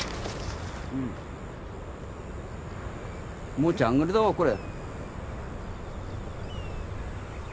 もうジャングルだわこれ。